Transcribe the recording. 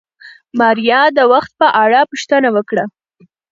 ماريا د وخت په اړه پوښتنه وکړه.